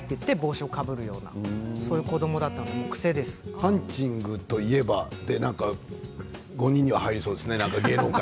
ハンチングといえばの５人には入りそうですね。